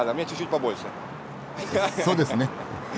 そうですね。